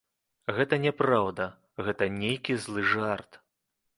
Гэта няпраўда, гэта нейкі злы жарт.